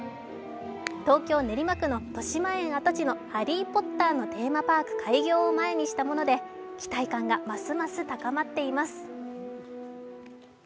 東京・練馬区のとしまえん跡地の「ハリー・ポッター」のテーマパーク開業を前にしたもので期待感がますます高まっています。